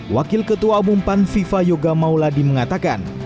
wakil ketua umum pan viva yoga mauladi mengatakan